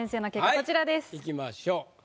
はいいきましょう。